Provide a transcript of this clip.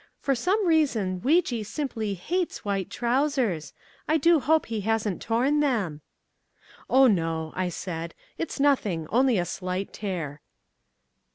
For some reason Weejee simply HATES white trousers. I do hope he hasn't torn them." "Oh, no," I said; "it's nothing only a slight tear."